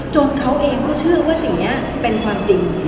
เขาเองก็เชื่อว่าสิ่งนี้เป็นความจริง